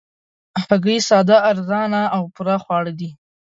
هګۍ ساده، ارزانه او پوره خواړه دي